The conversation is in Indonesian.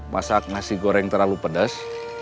masak nasi goreng terlalu pedas